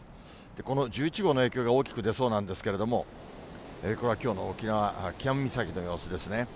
この１１号の影響が大きく出そうなんですけれども、これはきょうの沖縄、喜屋武岬の様子ですね。